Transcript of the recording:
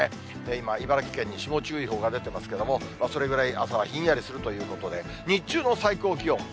今、茨城県に霜注意報が出てますけれども、それぐらい朝はひんやりするということで、日中の最高気温。